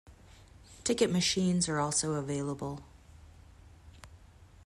Ticket machines are also available.